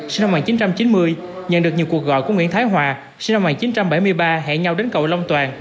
sinh năm một nghìn chín trăm chín mươi nhận được nhiều cuộc gọi của nguyễn thái hòa sinh năm một nghìn chín trăm bảy mươi ba hẹn nhau đến cầu long toàn